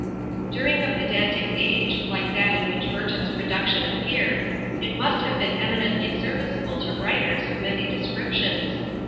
During a pedantic age, like that in which BURTON'S production appeared, it must have been eminently serviceable to writers of many descriptions.